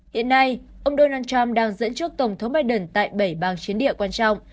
hiện nay ông donald trump đang dẫn trước tổng thống biden tại bảy bang chiến địa quan trọng